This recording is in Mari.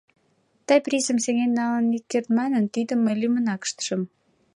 Тый призым сеҥен налын ит керт манын, тидым мый лӱмынак ыштышым.